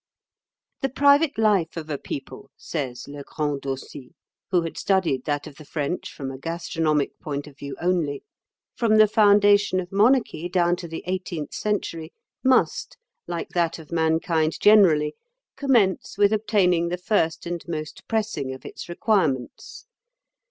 "The private life of a people," says Legrand d'Aussy, who had studied that of the French from a gastronomic point of view only, "from the foundation of monarchy down to the eighteenth century, must, like that of mankind generally, commence with obtaining the first and most pressing of its requirements.